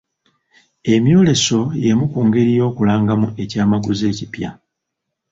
Emyoleso y'emu ku ngeri y'okulangamu ekyamaguzi ekipya.